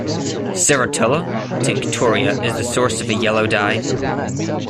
"Serratula tinctoria" is the source of a yellow dye.